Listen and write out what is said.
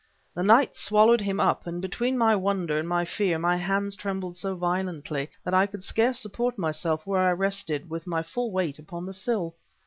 The night swallowed him up, and between my wonder and my fear my hands trembled so violently that I could scarce support myself where I rested, with my full weight upon the sill.